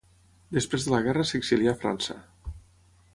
Després de la guerra s'exilià a França.